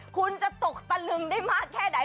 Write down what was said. คุณจะตกตะลึงได้มากแค่ไหน